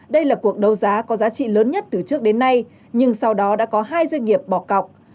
đây là cuộc đấu giá có giá trị lớn nhất từ trước đến nay nhưng sau đó đã có hai doanh nghiệp bỏ cọc